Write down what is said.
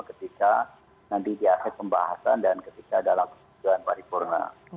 ketika nanti dihasilkan pembahasan dan ketika ada laksanak pariwurna